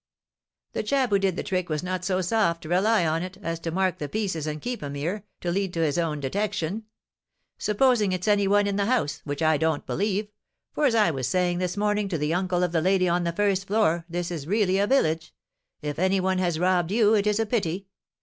_" "The chap who did the trick was not so soft, rely on it, as to mark the pieces, and keep 'em here, to lead to his own detection. Supposing it's any one in the house, which I don't believe (for, as I was a saying this morning to the uncle of the lady on the first floor, this is really a village), if any one has robbed you, it is a pity.